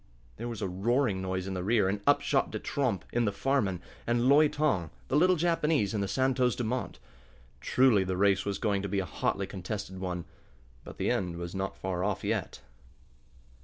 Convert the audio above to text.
There was a roaring noise in the rear, and up shot De Tromp in the Farman, and Loi Tong, the little Japanese, in the Santos Dumont. Truly the race was going to be a hotly contested one. But the end was far off yet.